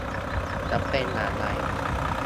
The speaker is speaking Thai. จะเป็นอย่างไร